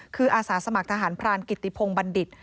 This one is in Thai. คืออาสาสมัครทหารพรานกิติพงศ์บัณฑิต